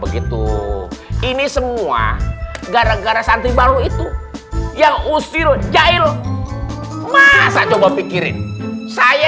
begitu ini semua gara gara santri baru itu yang usir jail masa coba pikirin saya